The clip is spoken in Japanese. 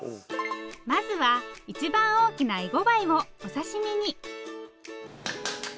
まずは一番大きなエゴバイをお刺身に。